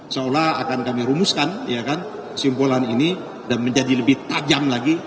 seolah akan kami rumuskan simpulan ini dan menjadi lebih tajam lagi